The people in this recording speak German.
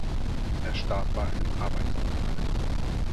Er starb bei einem Arbeitsunfall.